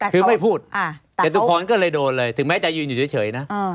คือไม่พูดจตุพรก็เลยโดนเลยถึงแม้จะยืนอยู่เฉยนะ